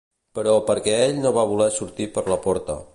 Però perquè ell no va voler sortir per la porta.